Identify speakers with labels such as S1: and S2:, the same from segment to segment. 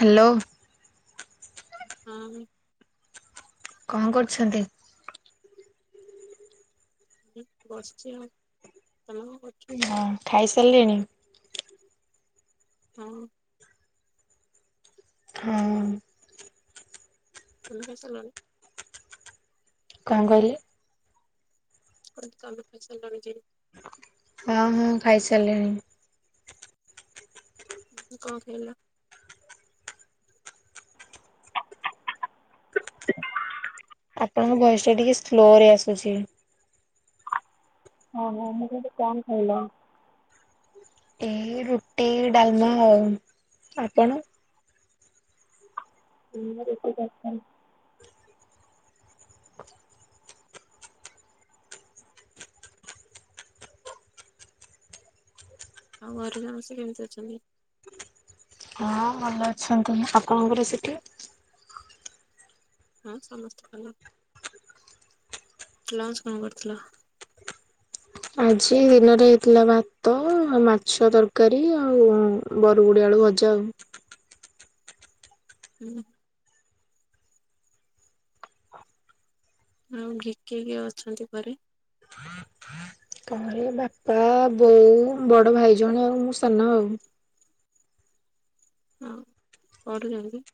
S1: Hello.
S2: ହଁ।
S1: କଣ କରୁଛନ୍ତି?
S2: ଏଇ ବସଚି ଆଉ। ତମେ କଣ କରୁଚ?
S1: ହଁ ଖାଇ ସାରିଲେଣି?
S2: ହଁ।
S1: ହଁ।
S2: ତମେ ଖାଇସାଲଣି?
S1: କଣ କହିଲେ?
S2: ମୁଁ କଲି ତମେ ଖାଇସାଲଣି କି?
S1: ହୁଁ ଖାଇସାରିଲିଣି।
S2: କଣ ଖାଇଲ? [inaudible]
S1: ଆପଣଙ୍କ ଭୟସ ଟା ଟିକେ ସ୍ଲୋ ରେ ଆସୁଚି।
S2: ଓହୋ ମୁ କହିଲି କନ ଖାଇଲ?
S1: ଏଇ ରୁଟି ଡାଲମା ଆଉ। ଆପଣ?
S2: [unintelligible] ଆଉ ଘରେ ସମସ୍ତେ କେମିତି ଅଛନ୍ତି
S1: ହଁ ଭଲ ଅଛନ୍ତି ଆପଣଙ୍କର ସେଠି?
S2: ହଁ ସମସ୍ତେ ଭଲ। ଲଞ୍ଚ କଣ କରିଥିଲ?
S1: ଆଜି ଦିନରେ ହେଇଥିଲା ଭାତ ମାଛ ତରକାରୀ ଆଉ ବରୁଗୁଡି ଆଳୁ ଭଜା ଆଉ।
S2: ହୁଁ। ଆଉ କି କିଏ କିଏ ଅଛନ୍ତି ଘରେ?
S1: ହଁ ହଁ [inaudible] କଳେ ବାପା ବୋଉ ବଡ ଭାଇ ଜଣେ ଆଉ ମୁଁ ସାନ ଆଉ
S2: ହଁ ପଢୁଚନ୍ତି?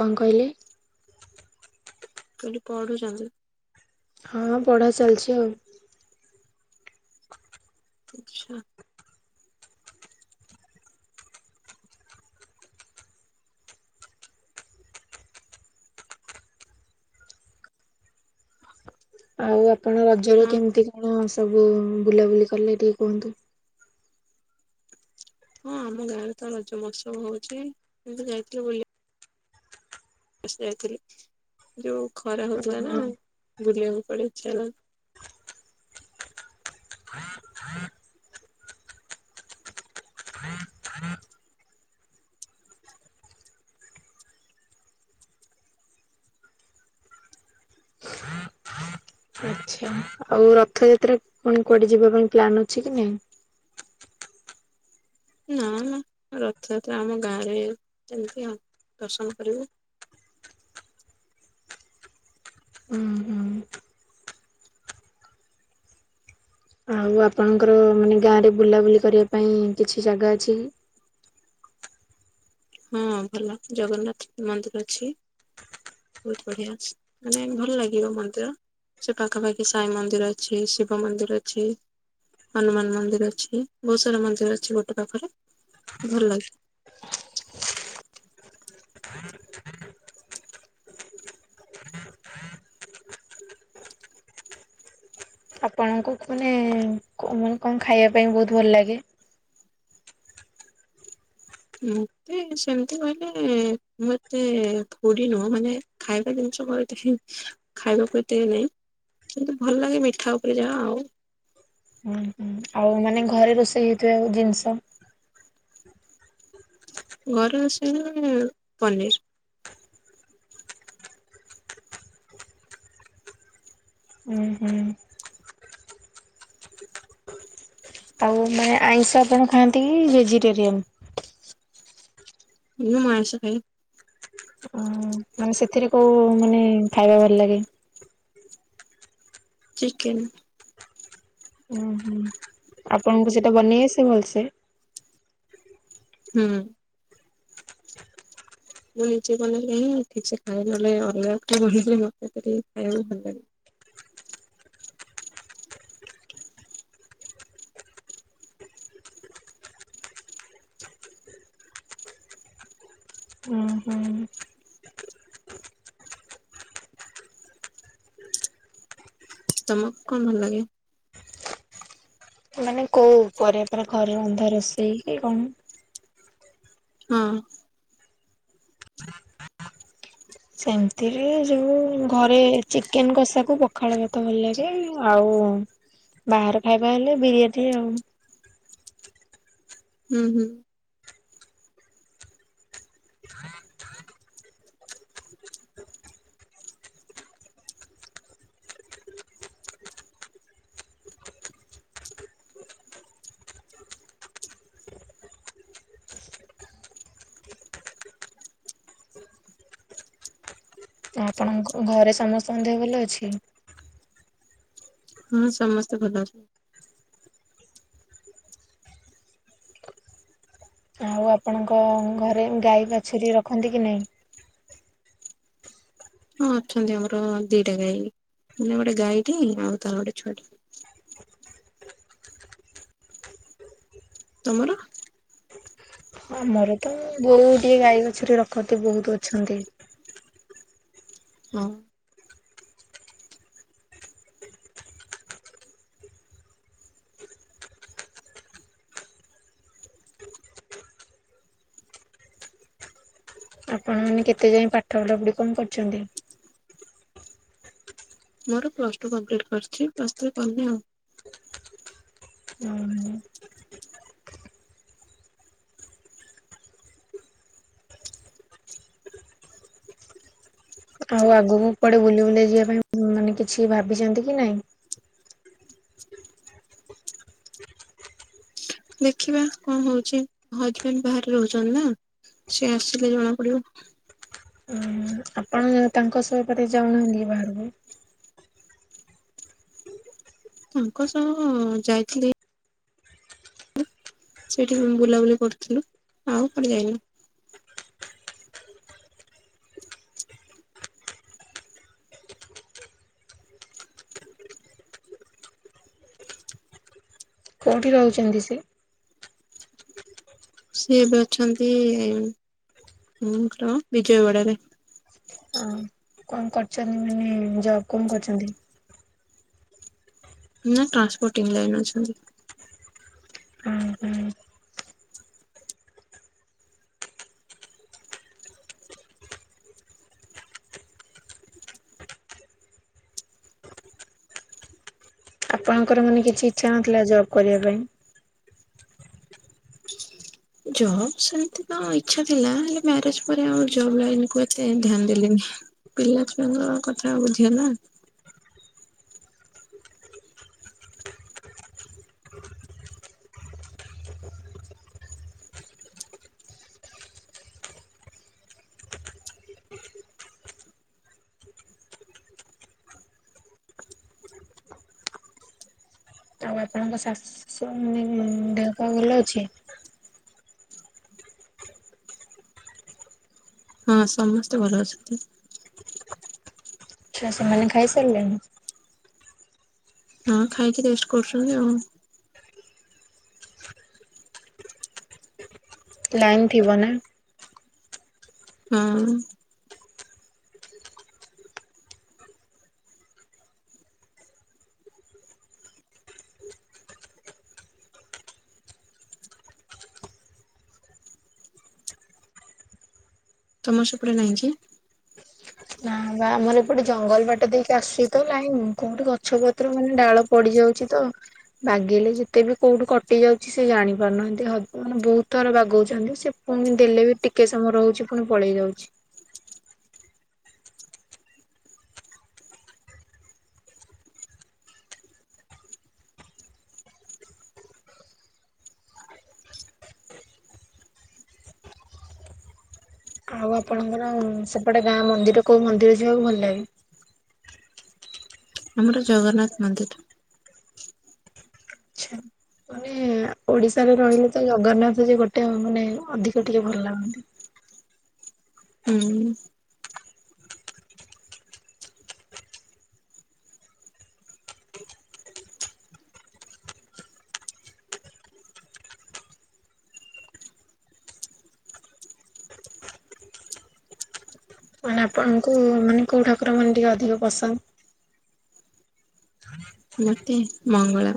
S1: କଣ କହିଲେ?
S2: କହିଲି ପଢୁଚନ୍ତି?
S1: ହଁ ପଢା ଚାଲିଚି ଆଉ।
S2: ଆଚ୍ଛା।
S1: ଆଉ ଆପଣ ରଜରେ
S2: ଆଉ
S1: କେମିତି କଣ ସବୁ ବୁଲାବୁଲି କଲେ ଟିକେ କୁହନ୍ତୁ?
S2: ହଁ ଆମ ଗାଁ ରେ ତ ରଜ ମହୋତ୍ସବ ହଉଚି ଏମତି ଯାଇଥିଲୁ ବୁଲି ଆସି ଯାଇଥିଲୁ ଯୋଉ ଖରା ହଉଥିଲା ନା
S1: ଓହୋ
S2: ବୁଲିବାକୁ ପଳେଇ [unintelligible]
S1: ଆଚ୍ଛା। ଆଉ ରଥଯାତ୍ରା କଣ କୁଆଡେ ଯିବା ପାଇଁ ପ୍ଲନ୍ ଅଛି କି ନାଇଁ?
S2: ନା ନା ରଥଯାତ୍ରା ଆମ ଗାଁରେ ଯେମିତି ଆ ଦର୍ଶନ କରିବୁ।
S1: ଉୁଁ ହୁଁ। ଆଉ ଆପଣଙ୍କର ମାନେ ଗାଁରେ ବୁଲାବୁଲି କରିବା ପାଇଁ କିଛି ଜାଗା ଅଛି କି?
S2: ହଁ ଭଲ ଜଗନ୍ନାଥ ମନ୍ଦିର ଅଛି। ବହୁତ ବଢିଆ ମାନେ ଭଲ ଲାଗିବ ମନ୍ଦିର। ସେ ପାଖାପାଖି ସାଇ ମନ୍ଦିର ଅଛି ଶିବ ମନ୍ଦିର ଅଛି। ହନୁମାନ ମନ୍ଦିର ଅଛି ବହୁତ ସାରା ମନ୍ଦିର ଅଛି ଗୋଟେ ପାଖରେ ଭଲ ଲାଗେ
S1: ଆପଣଙ୍କୁ ଖୁନେ କୁମାନେ କଣ ଖାଇବା ପାଇଁ ବହୁତ ଭଲ ଲାଗେ।
S2: ମତେ ସେମିତି କହିଲେ ମତେ ପୁଡି ନୁହ ମାନେ ଖାଇବା ଜିନିଷ କଣ ଏତେ ହୁ ଖାଇବାକୁତ ନାଇଁ କିନ୍ତୁ ଭଲ ଲାଗେ ମିଠା ଉପରେ ଯାହା ଆଉ
S1: ହୁଁ ହୁଁ ଆଉ ମାନେ ଘରେ ରୋଷେଇ ହେଇଥିବା ଆ ଜିନିଷ
S2: ଘରେ ଆସିଲ ମାନେ ପନିର୍
S1: ହୁଁ ହୁଁ ଆ ଆଇଁଷ ଆପଣ ଖାଆନ୍ତି କି ଭେଜିଟେରିଆନ୍
S2: ମୁଁ ମା ଆଇସ ଖାଇ
S1: ମାନେ ସେଥିରେ କୋଉ ମାନେ ଖାଇବା ଭଲ ଲାଗେ
S2: ଚିକେନ
S1: ଉଁ ହୁଁ ଆପଣଙ୍କୁ ସେଟା ବନେଇ ଆସ ଭଲସେ?
S2: ହୁଁ ମୁଁ ନିଜେ ବନେଇ ହିଁ ଠିକ ସେ ଖାଇ ନହେଲେ ଅଲଗା କା ବନେଇଥିଲି ମତେକି ଖାଇବାକୁ ଭଲ ଲାଗେ।
S1: ଉଁ ହୁଁ।
S2: ତମକୁ କଣ ଭଲ ଲାଗେ?
S1: ମାନେ କୋଉ ଉପରେ ପରେ ଘରେ ଅନ୍ଧାର ରୋଷେଇ କି କଣ?
S2: ହଁ।
S1: ସେମିତିରେ ଯୋଉ ଘରେ ଚିକେନ କଷାକୁ ପଖାଳ ଭାତ ଭଲ ଲାଗେ। ଏଇ ଆଉ ବାହାରେ ଖାଇବା ହେଲେ ବିରିୟାନୀ ଆଉ।
S2: ଉଁ ହୁଁ।
S1: [inaudible] ଘ ଘରେ ସମସ୍ତଙ୍କ ଦେହ ଭଲ ଅଛି?
S2: ହଁ ସମସ୍ତେ ଭଲ ଅଛନ୍ତି।
S1: ଆଉ ଆପଣଙ୍କ ଘରେ ଗାଈ ବାଛୁରୀ ରଖନ୍ତି କି ନାହିଁ?
S2: ହଁ ଅଛନ୍ତି ଆମର ଦିଟା ଗାଈ ମାନେ ଗୋଟେ ଗାଈଟି ଆଉ ତାର ଗୋଟେ ଛୁଆଟେ। ତମର।
S1: ଆମର ତ ବୋହୁତ ଗୁଡାଏ ଗାଈ ବାଛୁରୀ ରଖନ୍ତି ବହୁତ ଅଛନ୍ତି।
S2: ହଁ
S1: ଆପଣ ମାନେ କେତେ ଯାଏ ପାଠ ପଢ଼ା ପୁଢି଼ କଣ କରୁଛନ୍ତି?
S2: ମୋର ପ୍ଲସ୍ ଟୁ କମ୍ପ୍ଲିଟ୍ କରିଛି ପ୍ଲସ୍ ଥ୍ରୀ କନି ଆଉ।
S1: ହୁଁ। ଆଉ ଆଗକୁ କଆଡେ ବୁଲି ବୁଲାଇ ଯିବା ପାଇଁ ମାନେ କିଛି ଭାବିଛନ୍ତି କି ନାଇଁ?
S2: ଦେଖିବା କଣ ହଉଛି ହଜବେଣ୍ଡ ବାହାରେ ରହୁଛନ୍ତି ନା। ସିଏ ଆସିଲେ ଜଣା ପଡି଼ବ।
S1: ହୁଁ। ଆପଣ ତାଙ୍କ ସହ କୁଆଡେ ଯାଉହାନ୍ତି ବାହାରକୁ?
S2: ତାଙ୍କ ସହ ଯାଇଥିଲି। ସେଇଠି ବୁଲାବୁଲି କରୁଥିଲୁ ଆଉ କୁଆଡେ ଯାଇନି।
S1: କୋଉଠି ରହୁଛନ୍ତି ସେ?
S2: ସିଏ ଏବେ ଅଛନ୍ତି ଉଁ କ ବିଜୟବାଡା ରେ।
S1: ଅ ହ। କଣ କରୁଛନ୍ତି ଜବ କଣ କରୁଛନ୍ତି?
S2: ଇଏ ଟ୍ରାନ୍ସପୋର୍ଟିଂ ଲାଇନ୍ ଅଛନ୍ତି।
S1: ହଁ ହୁଁ। ଆପଣ ଙ୍କର ମାନେ କିଛି ଇଚ୍ଛା ନଥିଲା ଜବ୍ କରିବା ପାଇଁ?
S2: ଜବ୍ ସେମିତି ତ ଇଚ୍ଛା ଥିଲା ହେଲେ ମ୍ୟାରେଜ ପରେ ଆଉ ଜବ୍ ଲାଇନ କୁ ଏତେ ଧ୍ୟାନ ଦେଲିନି। ପିଲା ଛୁଆଙ୍କ କଥା ବୁଝି ନା।
S1: ଆଉ ଆପଣଙ୍କ ଶାଶ। [inaudible] ଭଲ ଅଛି।
S2: ହଁ ସମସ୍ତେ ଭଲ ଅଛନ୍ତି।
S1: ଆଛା ସେମାନେ ଖାଇସାରିଲେଣି?
S2: ହଁ ଖାଇକି ରେଷ୍ଟ କରୁଛନ୍ତି ଆଉ
S1: ଲାଇନ୍ ଥିବ ନା?
S2: ହଁ। ତମ ସେପଟେ ନାହିଁ କି?
S1: ନା ଆମର ଏପଟେ ଜଙ୍ଗଲ ବାଟ ଦେଇକି ଆସୁଛି ତ ଲାଇନ୍ କୋଉଠି ଗଛ ପତ୍ର ମାନେ ଡାଳ ପଡିଯାଉଛି ତ ବାଗିଲେ ଯେତେ ବି କଉଠୁ କଟି ଯାଉଛି ସେ ଜାଣିପାରୁନାହାନ୍ତି ମାନେ ବହୁତ ଥର ବାଗଉଛନ୍ତି ସେ ପୁଣି ଦେଲେ ବି ଟିକେ ସମୟ ରହୁଛି ପୁଣି ପଳେଇ ଯାଉଛି। ଆଉ ଆପଣଙ୍କର ସେପଟେ ଗାଁ ମନ୍ଦିର କୋଉ ମନ୍ଦିର ଯିବାକୁ ଭଲ ଲାଗେ?
S2: ଆମର ଜଗନ୍ନାଥ ମନ୍ଦିର।
S1: ଆଛା ମାନେ ଓଡିଶାରେ ରହିଲେ ତ ଜଗନ୍ନାଥ ଯେ ଗୋଟେ ମାନେ ଅଧିକ ଟିକେ ଭଲ ଲାଗନ୍ତି।
S2: ହୁଁ।
S1: ମାନେ ଆପଣଙ୍କୁ ମାନେ କେଉଁ ଠାକୁର ମାନେ ଟିକେ ଅଧିକ ପସନ୍ଦ?
S2: ମତେ ମଙ୍ଗଳା।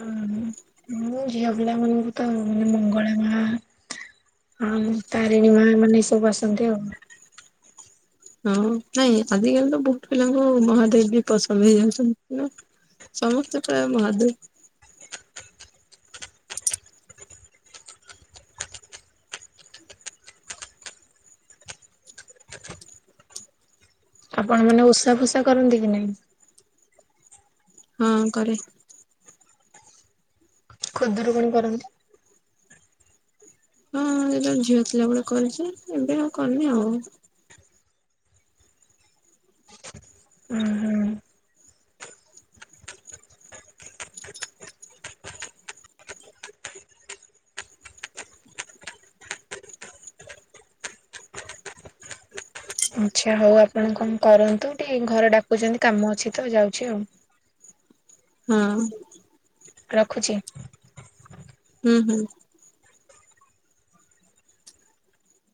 S1: ଉଁ ହୁଁ। ମୁଁ ଝିଅ ପିଲାମାନଙ୍କୁ ତ ମଙ୍ଗଳା ମା ହଁ ତାରିଣୀ ମା ମାନେ ଏସବୁ ଆସନ୍ତି ଆଉ
S2: ହଁ ନାଇଁ ଆଜିକାଲି ତ ବହୁତ ପିଲାଙ୍କ ମହାଦେବ ବି ପସନ୍ଦ ହେଇଯାଉଛନ୍ତି। ସମସ୍ତେ ପ୍ରାୟ ମହାଦେବ।
S1: ଆପଣ ମାନେ ଓଷା ଫୁଷା କରନ୍ତି କି ନାହିଁ?
S2: ହଁ କରେ।
S1: ଖୁଦୁରୁକୁଣୀ କରନ୍ତି?
S2: ହଁଁ ସେ ଝିଅ ଥିଲାବେଳେ କରିଛି ଏବେ ଆଉ କରିନି ଆଉ
S1: ହୁଁ ହୁଁ। ଆଚ୍ଛା ହଉ ଆପଣ କଣ କରନ୍ତୁ ଟିକେ ଘରେ ଡାକୁଛନ୍ତି କାମ ଅଛି ତ ଯାଉଛି ଆଉ
S2: ହଁ।
S1: ରଖୁଛି।
S2: ହୁଁ ହୁଁ।